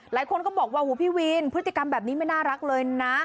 หลายคนก็บอกว่าหูพี่วีนพฤติกรรมแบบนี้ไม่น่ารักเลยนะ